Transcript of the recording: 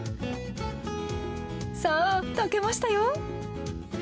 さあ、炊けましたよ。